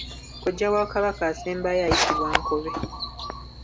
Kojja w’aKabaka asembayo ayitibwa Nkobe.